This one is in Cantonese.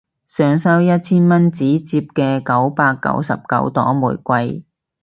想收一千蚊紙摺嘅九百九十九朵玫瑰